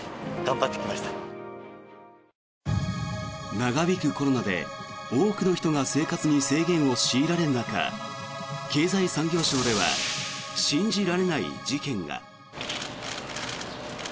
長引くコロナで、多くの人が生活に制限を強いられる中経済産業省では信じられない事件が。